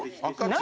何？